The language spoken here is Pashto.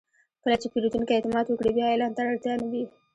کله چې پیرودونکی اعتماد وکړي، بیا اعلان ته اړتیا نه وي.